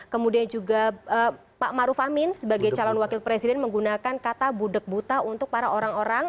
kemudian juga pak maruf amin sebagai calon wakil presiden menggunakan kata budeg buta untuk para orang orang